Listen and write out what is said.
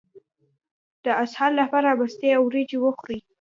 د اسهال لپاره مستې او وریجې وخورئ